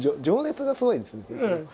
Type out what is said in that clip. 情熱がすごいんですね。